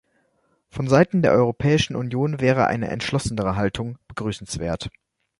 Von Seiten der Europäischen Union wäre eine entschlossenere Haltung begrüßenswert.